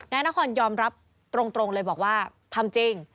นายนครยอมรับตรงเลยบอกว่าทำจริง